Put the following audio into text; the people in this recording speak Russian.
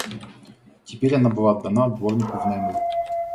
Теперь она была отдана дворнику внаймы.